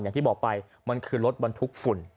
อย่างที่บอกไปมันคือรถบรรทุกฝุ่น